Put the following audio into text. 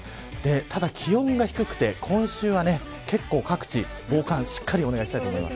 ただ気温が低くて今週は結構、各地防寒しっかりお願いしたいと思います。